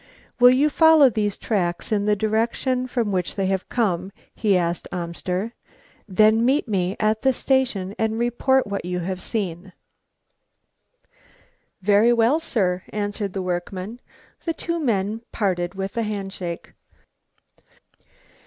"Will you follow these tracks in the direction from which they have come?" he asked of Amster. "Then meet me at the station and report what you have seen." "Very well, sir," answered the workman. The two men parted with a hand shake.